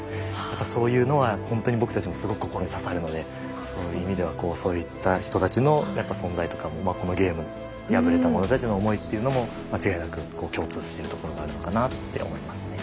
やっぱそういうのはほんとに僕たちもすごく心に刺さるのでそういう意味ではそういった人たちのやっぱ存在とかもまあこのゲームの敗れた者たちの想いっていうのも間違いなく共通してるところがあるのかなって思いますね。